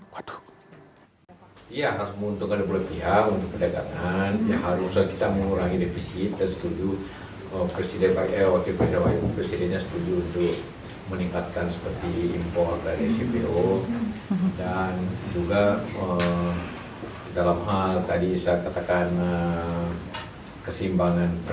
ketu przysz tape pertanyaannya untuk membela kesempatan penutup kendaraan yg boss memper enam puluh empat